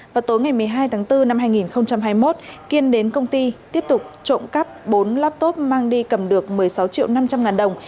vào tối ngày một mươi hai tháng bốn năm hai nghìn hai mươi một kiên đến công ty tiếp tục trộm cắp bốn laptop mang đi cầm được một mươi sáu triệu năm trăm linh ngàn đồng